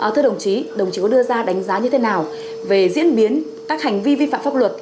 thưa đồng chí đồng chí có đưa ra đánh giá như thế nào về diễn biến các hành vi vi phạm pháp luật